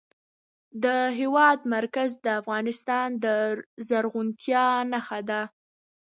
د هېواد مرکز د افغانستان د زرغونتیا نښه ده.